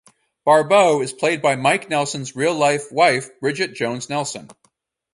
Barbeau is played by Mike Nelson's real-life wife Bridget Jones Nelson.